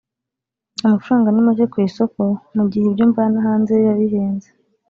amafaranga ni make ku isoko mu gihe ibyo mvana hanze biba bihenze